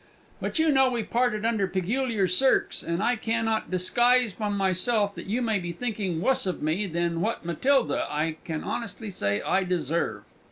But you know we parted under pigulier circs, and I cannot disgise from myself that you may be thinking wuss of me than what Matilda I can honestly say I deserve!